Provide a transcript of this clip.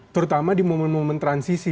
terutama di momen momen transisi